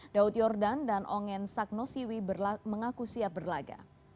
daud yordan dan ongen sagnosiwi mengaku siap berlaga